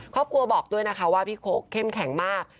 ครอบครัวบอกด้วยนะคะว่าพี่โค้กเข้มแข็งมาก